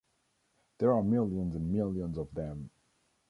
There are millions and millions of them.